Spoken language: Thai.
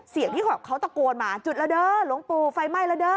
เสียงที่เขาตะโกนมาจุดแล้วเด้อหลวงปู่ไฟไหม้แล้วเด้อ